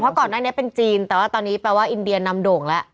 เพราะก่อนนั้นเป็นจีนแต่ว่าตอนนี้แปลว่าอินเดียนำโด่งละ